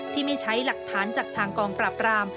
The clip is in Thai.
ที่ไม่ใช้หลักฐานจากทางกองปราบราม